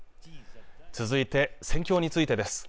続いて戦況についてです